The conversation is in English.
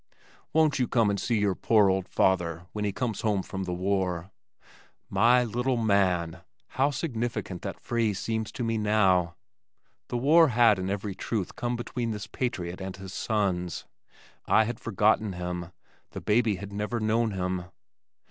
"Won't you come and see your poor old father when he comes home from the war?" "My little man!" How significant that phrase seems to me now! The war had in very truth come between this patriot and his sons. I had forgotten him the baby had never known him.